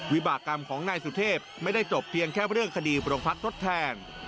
วิบากรรมของนายสุเทพไม่ได้จบเพียงแค่เรื่องคดีประพัดทดแทน